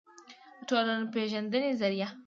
دټولنپېژندې ظریه